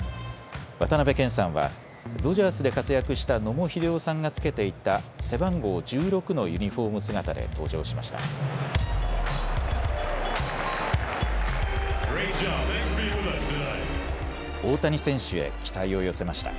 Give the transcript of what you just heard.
渡辺謙さんはドジャースで活躍した野茂英雄さんがつけていた背番号１６のユニフォーム姿で登場しました。